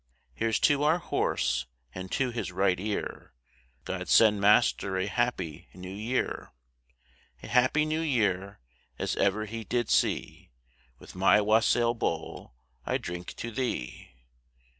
Here's to our horse, and to his right ear, God send master a happy new year; A happy new year as ever he did see, With my wassail bowl I drink to thee.